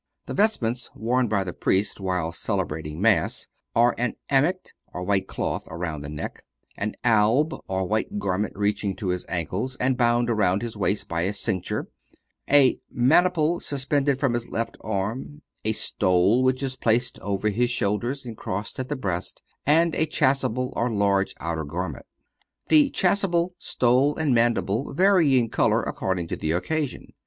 The vestments worn by the Priest while celebrating Mass are an amict, or white cloth around the neck; an alb, or white garment reaching to his ankles, and bound around his waist by a cincture; a maniple suspended from his left arm; a stole, which is placed over his shoulders and crossed at the breast; and a chasuble, or large outer garment. The chasuble, stole and maniple vary in color according to the occasion.